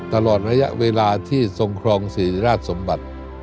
ตลอดระยะเวลาที่ทรงครองศรีราชสมบัติ